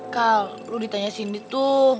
kal lo ditanya cindy tuh